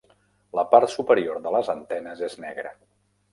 La part superior de les antenes és negre.